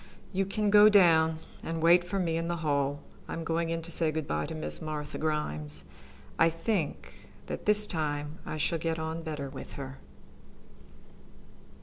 You can go on down and wait for me in the hall. I am going in to say good by to Miss Martha Grimes. I think that this time I shall get on better with her."